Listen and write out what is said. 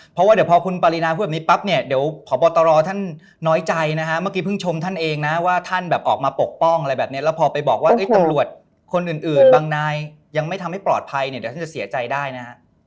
เพราะว่าเดี๋ยวพอคุณปรินาพูดแบบนี้ปั๊บเนี่ยเดี๋ยวพบตรท่านน้อยใจนะฮะเมื่อกี้เพิ่งชมท่านเองนะว่าท่านแบบออกมาปกป้องอะไรแบบนี้แล้วพอไปบอกว่าตำรวจคนอื่นบางนายยังไม่ทำให้ปลอดภัยเนี่ยเดี๋ยวท่านจะเสียใจได้นะฮะ